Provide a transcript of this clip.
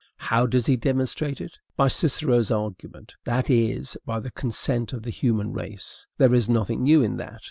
How does he demonstrate it? By Cicero's argument, that is, by the consent of the human race. There is nothing new in that.